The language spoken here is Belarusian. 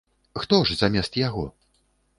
Хто ж замест яго?